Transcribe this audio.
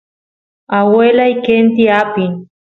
aguelay qenti apin